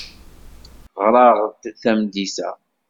Ɣer-aɣ-d tameddit-a.